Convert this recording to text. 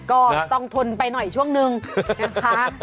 ก็ต้องทนไปหน่อยช่วงนึงนะคะ